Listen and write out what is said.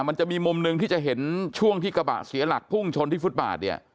มันจะมีมุมหนึ่งที่จะเห็นช่วงที่กระบะเสียหลักพุ่งชนที่ฟุตบาทเนี่ย